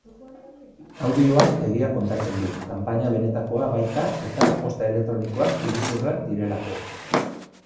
Audioak egia kontatzen du, kanpaina benetakoa baita eta posta elektronikoak iruzurra direlako.